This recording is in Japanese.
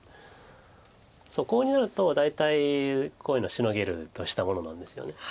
コウになると大体こういうのはシノげるとしたものなんですよね。